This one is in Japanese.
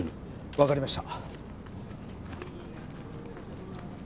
わかりました。